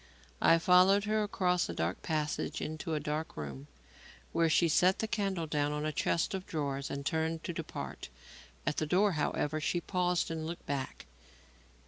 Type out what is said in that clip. I followed her across a dark passage into a dark room, where she set the candle down on a chest of drawers and turned to depart. At the door, however, she paused and looked back.